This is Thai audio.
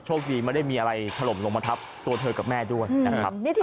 คดีไม่ได้มีอะไรถล่มลงมาทับตัวเธอกับแม่ด้วยนะครับ